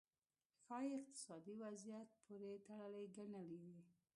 ښايي اقتصادي وضعیت پورې تړلې ګڼلې.